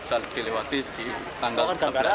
fungsional bisa dilewati di tanggal enam belas